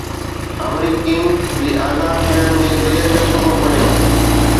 آمريڪين جي آزاد ٿيڻ ۾ دير جو سبب بڻيو